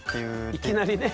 いきなりね。